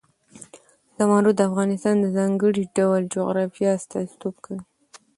زمرد د افغانستان د ځانګړي ډول جغرافیه استازیتوب کوي.